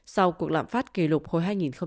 sau cuộc lạm phát kỷ lục hồi hai nghìn hai mươi hai